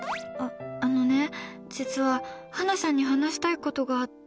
あのね、実はハナさんに話したいことがあって。